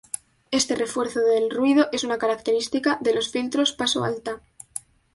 Este refuerzo del ruido es una característica de los filtros paso-alta.